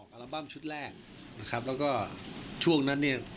อารมณ์ชุดแรกนะครับแล้วก็ช่วงนั้น